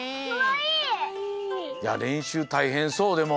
いやれんしゅうたいへんそうでも。